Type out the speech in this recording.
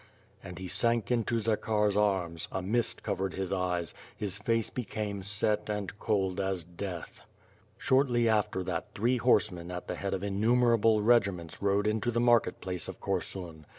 And he sank into Zakhar's arms, a mist covered his eyes, his face became set and cold as death. Shortly after that three horsemen at the head of innumer W/r/7 FIRE AKD SWOkD. i^j able regiments rode into the market place of Korsun.